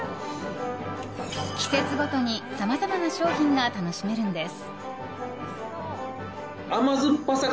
季節ごとにさまざまな商品が楽しめるんです。